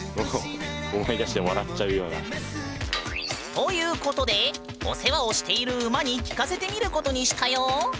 ということでお世話をしている馬に聞かせてみることにしたよ！